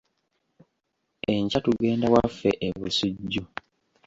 Enkya tugenda waffe e Bussujju.